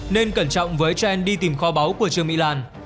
nên cẩn trọng với gen đi tìm kho báu của trương mỹ lan